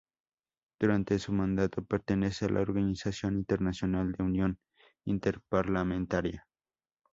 Durante su mandato, pertenece a la organización internacional de Unión Interparlamentaria.